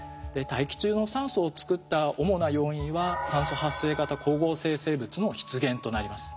大気中の酸素を作った主な要因は酸素発生型光合成生物の出現となります。